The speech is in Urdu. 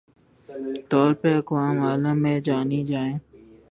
طور پہ اقوام عالم میں جانی جائیں